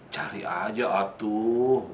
cari aja atuh